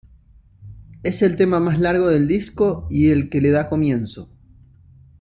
Es el tema más largo del disco y el que le da comienzo.